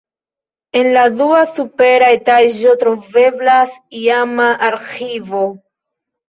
En la dua supera etaĝo troveblas iama arĥivo.